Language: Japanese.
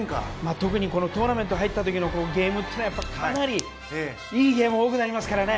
特にトーナメント入った時のゲームというのはかなり、いいゲーム多くなりますからね。